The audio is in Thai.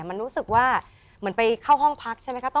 มันรู้สึกว่าเหมือนไปเข้าห้องพักใช่ไหมคะ